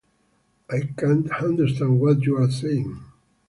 I can't understand what you are saying.